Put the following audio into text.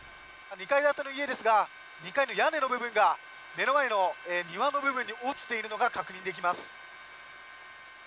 ２階建ての家ですが２階の屋根の部分が目の前の庭の部分に落ちているのが確認できます。